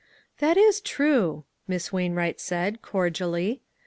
k'That is true," Miss Wainwright said, cordially.